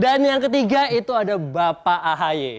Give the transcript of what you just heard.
dan yang ketiga itu ada bapak ahy